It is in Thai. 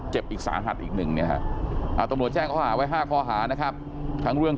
เจ็บสาหัสอีกหนึ่ง